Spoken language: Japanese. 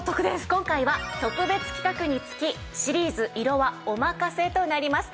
今回は特別企画につきシリーズ色はお任せとなります。